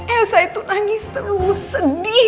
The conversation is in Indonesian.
elsa itu nangis terlalu sedih